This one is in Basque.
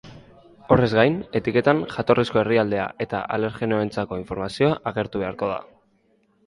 Horrez gain, etiketan jatorrizko herrialdea eta alergenoentzako informazioa agertu beharko da.